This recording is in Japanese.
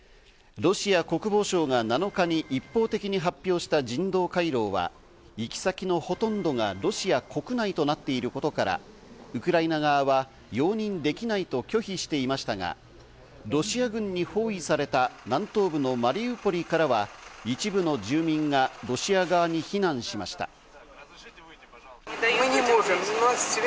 ロシア国防省が７日に一方的に発表した人道回廊は行き先のほとんどがロシア国内となっていることから、ウクライナ側は容認できないと拒否していましたが、ロシア軍に包囲された南東部のマリウポリからは一部の住民がロシア側に避難しました。